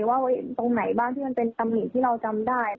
ว่าตรงไหนบ้างที่มันเป็นตำหนิที่เราจำได้